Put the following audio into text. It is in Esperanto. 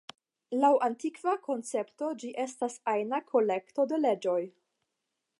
Laŭ antikva koncepto, ĝi estas ajna kolekto da leĝoj.